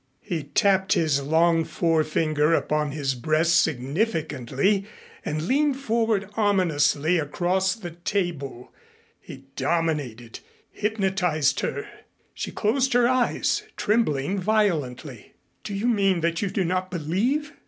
He tapped his long forefinger upon his breast significantly and leaned forward ominously across the table. He dominated, hypnotized her. She closed her eyes, trembling violently. "Do you mean that you do not believe?